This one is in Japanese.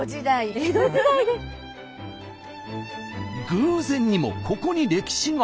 偶然にもここに歴史が。